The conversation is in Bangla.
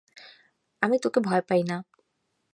আমি তোকে ভয় পাই না।